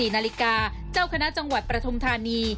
๔นาฬิกาเจ้าคณะจังหวัดประธุมธานี